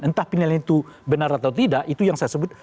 entah penilaian itu benar atau tidak itu yang saya sebut